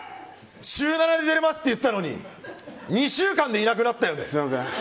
週７で出れますって言ったのに２週間でいなくなったよね？